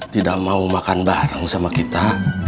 tidak mau makan bareng sama kita